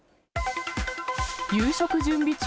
夕食準備中？